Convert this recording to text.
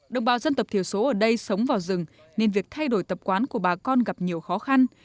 đồng bào dân tộc thiểu số ở đây sống vào rừng nên việc thay đổi tập quán của bà con gặp nhiều khó khăn